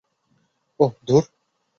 ওহ, ধূর!